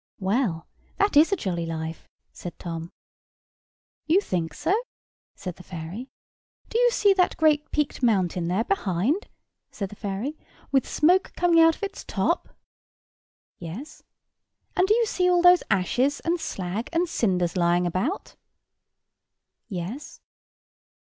"Well, that is a jolly life," said Tom. "You think so?" said the fairy. "Do you see that great peaked mountain there behind," said the fairy, "with smoke coming out of its top?" "Yes." "And do you see all those ashes, and slag, and cinders lying about?" "Yes."